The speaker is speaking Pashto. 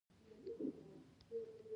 لیست همداسې غځېږي.